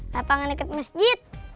lapangan deket masjid